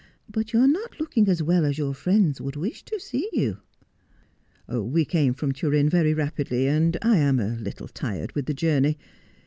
But you are not looking as well as your friends would wish to see you.' ' We came from Turin very rapidly, and I am a little tired with the journey.